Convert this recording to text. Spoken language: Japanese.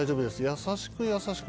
優しく、優しく。